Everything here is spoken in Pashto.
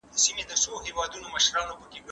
حیا به تللې شرم به هېر وي